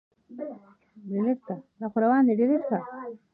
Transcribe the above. دځنګل حاصلات د افغانستان د پوهنې نصاب کې شامل دي.